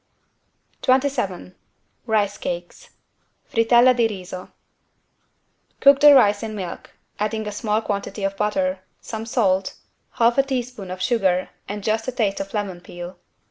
27 RICE CAKES (Frittelle di riso) Cook the rice in milk, adding a small quantity of butter, some salt, half a teaspoon of sugar and just a taste of lemon peel.